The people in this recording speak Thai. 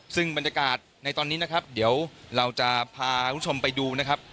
ซึ่งบรรยากาศในตอนนี้นะครับเดี๋ยวเราจะพาคุณผู้ชมไปดูนะครับ